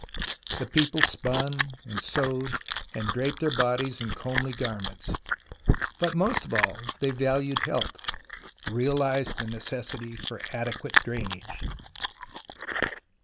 The people spun and sewed and draped their bodies in comely garments. But most of all they valued health, reaUzed the necessity for adequate drainage.